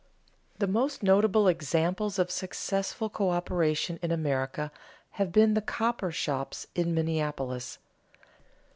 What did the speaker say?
_ The most notable examples of successful coöperation in America have been the cooper shops in Minneapolis.